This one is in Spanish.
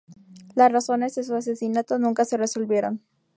Las razones de su asesinato nunca se resolvieron.